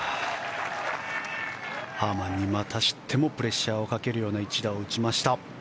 ハーマンに、またしてもプレッシャーをかけるような一打を打ちました。